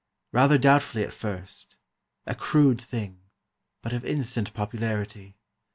Rather doubtfully at first—a crude thing, but of instant popularity.